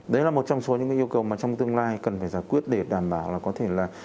đấy là một trong số những cái yêu cầu mà trong tương lai cần phải giải quyết để đảm bảo là có thể là